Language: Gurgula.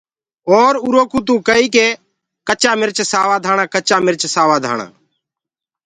اور اُرو ڪوُ تو ڪئيٚ ڪي چآ مِرچ سوآ ڌآڻآ ڪچآ مرچ سوآ ڌآڻآ۔